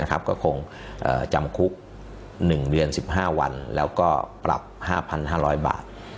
ก็คงจำคุก๑เดือน๑๕วันแล้วก็ปรับ๕๕๐๐บาท